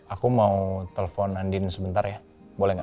aku mau telepon andien sebentar ya boleh gak